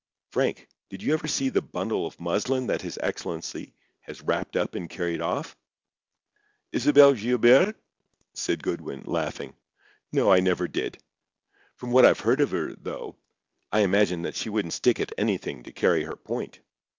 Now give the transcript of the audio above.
Frank, did you ever see the 'bundle of muslin' that His Excellency has wrapped up and carried off?" "Isabel Guilbert?" said Goodwin, laughing. "No, I never did. From what I've heard of her, though, I imagine that she wouldn't stick at anything to carry her point.